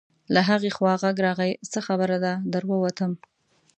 له هغې خوا غږ راغی: څه خبره ده، در ووتم.